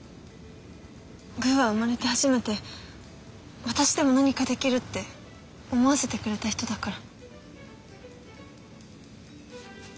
グーは生まれて初めて私でも何かできるって思わせてくれたヒトだから。